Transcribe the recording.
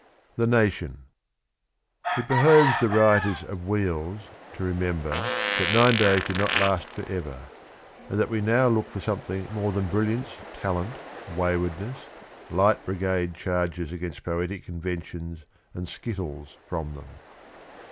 THE NATION. It behoves the writers of 'Wheels' to remember that nine days do not last for ever, and that we now look for something more than brilliance, talent, waywardness, Light Brigade Charges against poetic conventions and skittles from them.